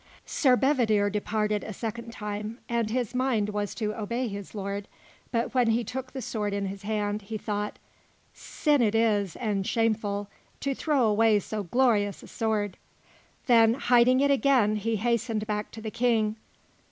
Sir Bedivere departed a second time, and his mind was to obey his lord; but when he took the sword in his hand, he thought: "Sin it is and shameful, to throw away so glorious a sword" Then, hiding it again, he hastened back to the King.